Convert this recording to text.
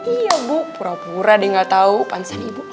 iya bu pura pura dia enggak tahu pansah ibu